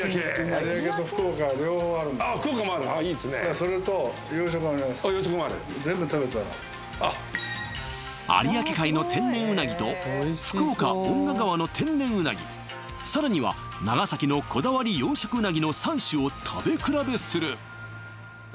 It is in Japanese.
それとあっ養殖もある有明海の天然うなぎと福岡遠賀川の天然うなぎさらには長崎のこだわり養殖うなぎの３種を食べ比べする！